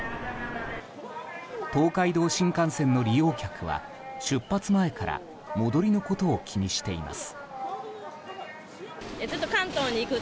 東海道新幹線の利用客は出発前から戻りのことを気にしています。